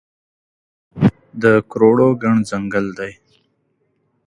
د کروړو ګڼ ځنګل دی